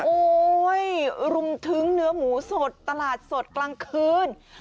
รุมถึงเนื้อหมูสดตลาดสดกลางคืน